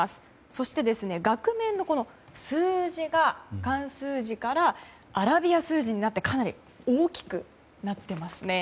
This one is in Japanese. そして、額面の数字が漢数字からアラビア数字になってかなり大きくなっていますね。